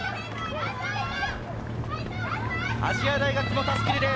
亜細亜大学も襷リレー。